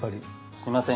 すみません